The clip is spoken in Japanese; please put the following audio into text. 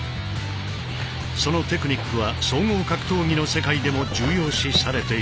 そのテクニックは総合格闘技の世界でも重要視されている。